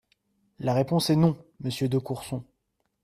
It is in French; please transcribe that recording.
La réponse est non, monsieur de Courson.